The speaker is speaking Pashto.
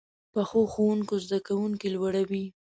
پخو ښوونکو زده کوونکي لوړوي